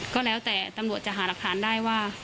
ก็แล้วแต่ตำรวจจะหารักฐานได้ว่า